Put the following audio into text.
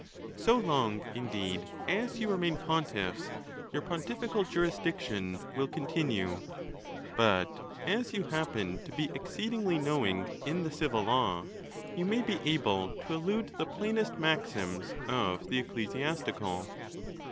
So long, indeed, as you remain pontiffs, your pontifical jurisdic tion will continue; but as you happen to be exceedingly knowing in the civil law, you may be able to elude the plainest maxims of the ecclesiastical.